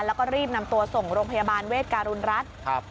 แล้วก็รีบนำตัวส่งโรงพยาบาลเวทการุณรัฐครับ